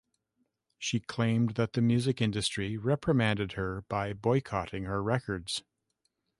She claimed that the music industry reprimanded her by boycotting her records.